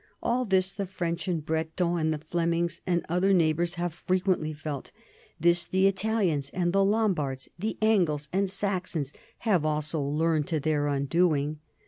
All this the French and Bretons and Flemings and other neighbors have frequently felt ; this the Italians and the Lombards, the Angles and Saxons, have also learned to their undoing.